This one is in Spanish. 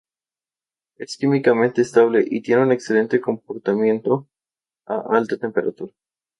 Es químicamente estable y tiene una excelente comportamiento a alta temperatura.